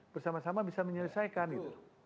bersama sama bisa menyelesaikan gitu